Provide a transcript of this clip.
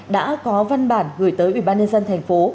đã có văn bản gửi tới ủy ban nhân dân thành phố